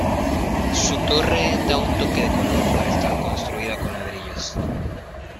Su torre da un toque de color por estar construida con ladrillos.